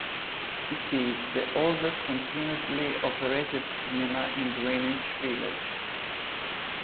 It is the oldest continuously operated cinema in Greenwich Village.